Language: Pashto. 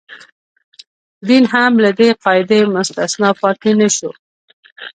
دین هم له دې قاعدې مستثنا پاتې نه شو.